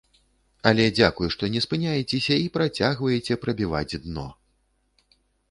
Але дзякуй, што не спыняецеся і працягваеце прабіваць дно.